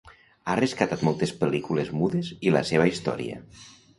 Ha rescatat moltes pel·lícules mudes i la seva història.